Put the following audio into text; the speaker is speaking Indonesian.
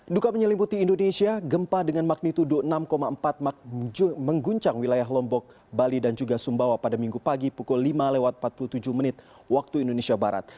duka menyelimuti indonesia gempa dengan magnitudo enam empat mengguncang wilayah lombok bali dan juga sumbawa pada minggu pagi pukul lima lewat empat puluh tujuh menit waktu indonesia barat